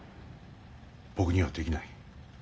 僕にはできない。